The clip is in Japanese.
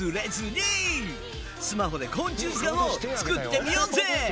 スマホで昆虫図鑑を作ってみようぜ！